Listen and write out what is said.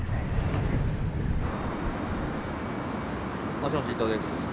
もしもし伊藤です。